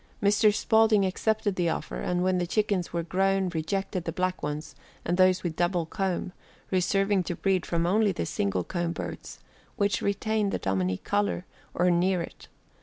Mr. Spaulding accepted the offer, and when the chickens were grown rejected the black ones and those with double comb, reserving to breed from only the single comb birds, which retained the Dominique color, or near it.